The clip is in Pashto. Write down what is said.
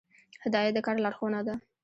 هدایت د کار لارښوونه ده